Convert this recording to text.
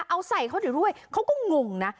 เอาใส่เขาอยู่ด้วยเขาก็งงนะ